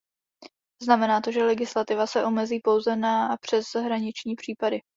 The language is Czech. Znamená to, že legislativa se omezí pouze na přeshraniční případy.